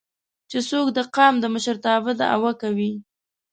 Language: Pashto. چې څوک د قام د مشرتابه دعوه کوي